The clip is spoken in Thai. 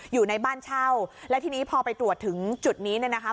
อยู่ในบ้านเช่าและทีนี้พอไปตรวจถึงจุดนี้เนี่ยนะคะ